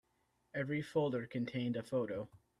Every folder contained a photo.